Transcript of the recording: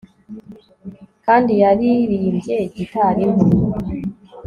kandi yaririmbye gitari nto